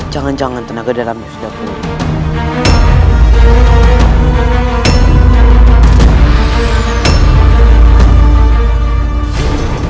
jangan jangan tenaga dalammu sudah pulih